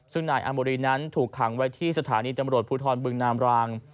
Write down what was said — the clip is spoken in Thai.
ซึ่งนายอาโมรีนั้นถูกขังไว้ที่สถานีตำรวจภูทรบึงนามราง